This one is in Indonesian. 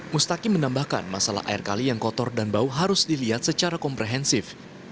mustaki menambahkan masalah air kali yang kotor dan bau harus dilihat secara komprehensif